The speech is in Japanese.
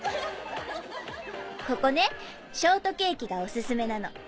ここねショートケーキがお薦めなの。